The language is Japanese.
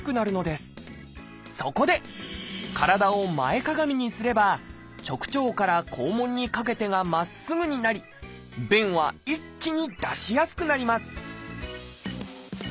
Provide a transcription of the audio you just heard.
そこで体を前かがみにすれば直腸から肛門にかけてがまっすぐになり便は一気に出しやすくなります